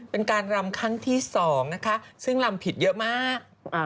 เป็นการรำครั้งที่๒นะคะซึ่งรำผิดเยอะมาก